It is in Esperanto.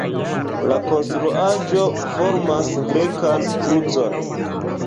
La konstruaĵo formas grekan krucon.